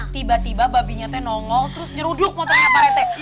tiba tiba babinya teh nongol terus nyeruduk motornya pak retek